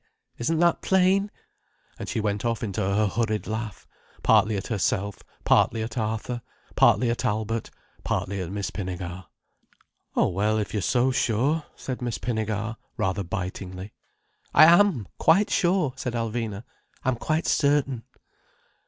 Isn't that plain?" And she went off into her hurried laugh, partly at herself, partly at Arthur, partly at Albert, partly at Miss Pinnegar. "Oh, well, if you're so sure—" said Miss Pinnegar rather bitingly. "I am quite sure—" said Alvina. "I'm quite certain."